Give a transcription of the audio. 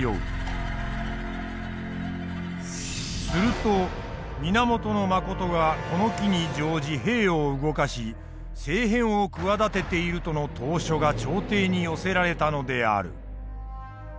すると源信がこの機に乗じ兵を動かし政変を企てているとの投書が朝廷に寄せられたのである。